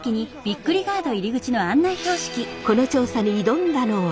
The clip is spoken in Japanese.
この調査に挑んだのは。